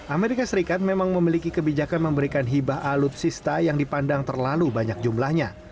amerika serikat memang memiliki kebijakan memberikan hibah alutsista yang dipandang terlalu banyak jumlahnya